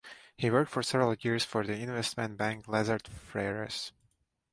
He worked for several years for the investment bank Lazard Freres.